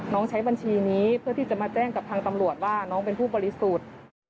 ใช้บัญชีนี้เพื่อที่จะมาแจ้งกับทางตำรวจว่าน้องเป็นผู้บริสุทธิ์